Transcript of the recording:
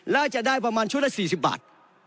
แล้วจะได้ประมาณชุดละ๔๐บาท